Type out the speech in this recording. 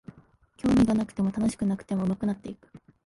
興味がなくても楽しくなくても上手くなっていく